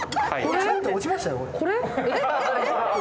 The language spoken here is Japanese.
落ちましたよ、これ。